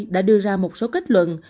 đã đưa ra một số kết luận